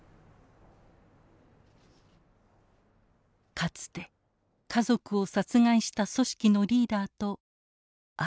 かつて家族を殺害した組織のリーダーと握手を交わした。